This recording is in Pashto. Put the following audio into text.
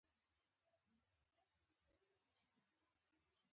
ښوونځی ماشومانو ته د دوستۍ ارزښت ښيي.